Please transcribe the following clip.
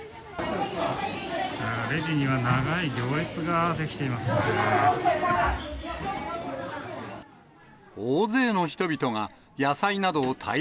レジには長い行列が出来てい大勢の人々が、野菜などを大